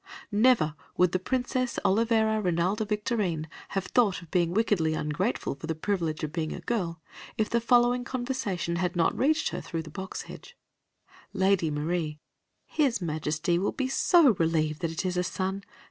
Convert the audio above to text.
Never would the Princess Olivera Rinalda Victorine have thought of being wickedly ungrateful for the privilege of being a girl, if the following conversation had not reached her through the box hedge: Lady Marie: His Majesty will be so relieved that it is a son.